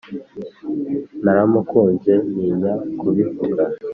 Naramukunze ntinya kubivuga